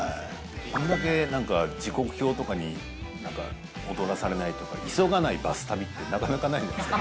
こんだけ時刻表とかに踊らされないというか急がないバス旅ってなかなかない。